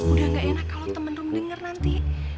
udah gak enak kalau temen rum denger nanti